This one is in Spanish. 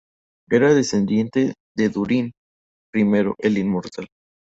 Era descendiente de Durin I "el Inmortal".